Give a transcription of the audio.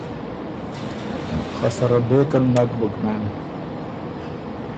خه سَرَه بېکن نک بُک مېن۔